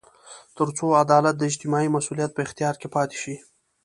تر څو عدالت د اجتماعي مسوولیت په اختیار کې پاتې شي.